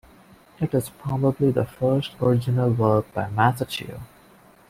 It is probably the first original work by Masaccio.